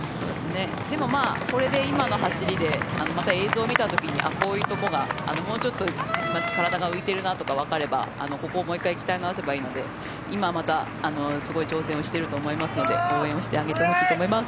でも、これで今の走りでまた映像を見た時にこういうとこがもうちょっと体が浮いてるなとかわかれば、ここをもう１回鍛えなおせばいいので今、またすごい挑戦をしていると思うので応援をしてあげてほしいと思います。